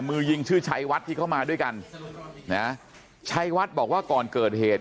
มือยิงชื่อชัยวัดที่เขามาด้วยกันนะชัยวัดบอกว่าก่อนเกิดเหตุ